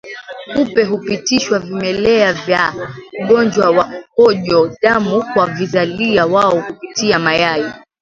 Kupe hupitisha vimelea vya ugonjwa wa mkojo damu kwa vizalia wao kupitia mayai